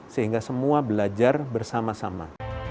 sehingga semua belajar bersama sama